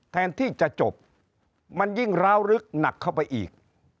แทนที่จะจบมันยิ่งร้าวลึกหนักเข้าไปอีก